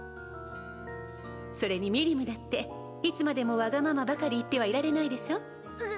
それにミリムだっていつまでもワガママばかり言ってはいられないでしょう？